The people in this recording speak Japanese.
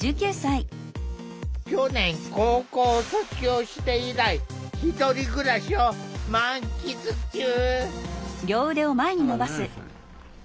去年高校を卒業して以来１人暮らしを満喫中。